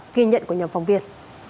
ghi nhận của nhà phòng viên